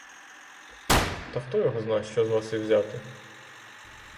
Та хто його зна, що з вас і взяти.